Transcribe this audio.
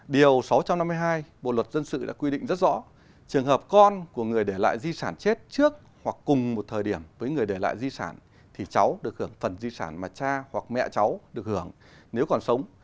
điều sáu trăm năm mươi hai bộ luật dân sự đã quy định rất rõ trường hợp con của người để lại di sản chết trước hoặc cùng một thời điểm với người để lại di sản thì cháu được hưởng phần di sản mà cha hoặc mẹ cháu được hưởng nếu còn sống